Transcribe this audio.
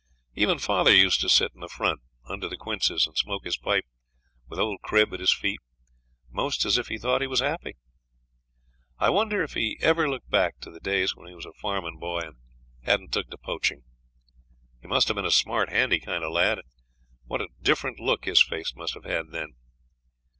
Even father used to sit in the front, under the quinces, and smoke his pipe, with old Crib at his feet, most as if he thought he was happy. I wonder if he ever looked back to the days when he was a farmin' boy and hadn't took to poaching? He must have been a smart, handy kind of lad, and what a different look his face must have had then!